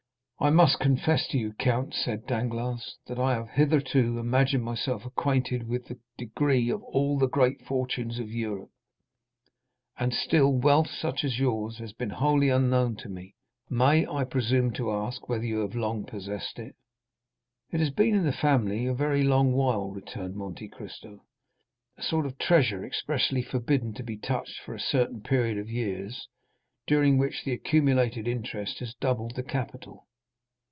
"I must confess to you, count," said Danglars, "that I have hitherto imagined myself acquainted with the degree of all the great fortunes of Europe, and still wealth such as yours has been wholly unknown to me. May I presume to ask whether you have long possessed it?" "It has been in the family a very long while," returned Monte Cristo, "a sort of treasure expressly forbidden to be touched for a certain period of years, during which the accumulated interest has doubled the capital.